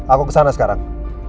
aku kesana sekarang